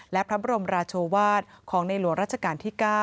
และพระบรมราชวาสของในหลวงราชการที่๙